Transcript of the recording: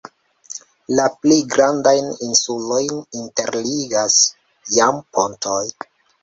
La pli grandajn insulojn interligas jam pontoj.